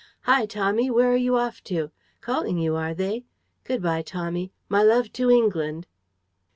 ... Hi! Tommy! Where are you off to? Calling you, are they? Good by, Tommy. My love to England!"